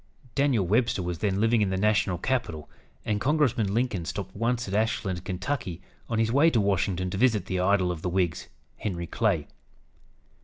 Daniel Webster was then living in the national capital, and Congressman Lincoln stopped once at Ashland, Ky., on his way to Washington to visit the idol of the Whigs, Henry Clay.